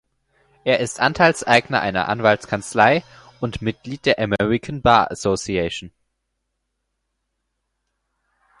Er ist Anteilseigner einer Anwaltskanzlei und Mitglied der American Bar Association.